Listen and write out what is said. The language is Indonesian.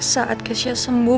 saat keisha sembuh